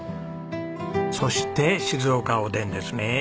そして静岡おでんですね。